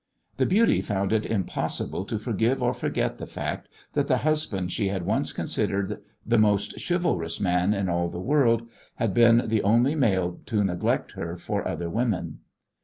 The beauty found it impossible to forgive or forget the fact that the husband she had once considered the most chivalrous man in all the world had been the only male to neglect her for other women.